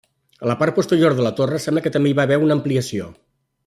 A la part posterior de la torre sembla que també hi va haver una ampliació.